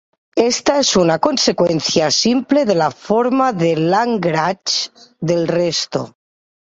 Esta es una consecuencia simple de la forma de Lagrange del resto.